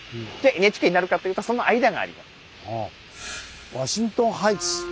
じゃあＮＨＫになるかというとその間があります。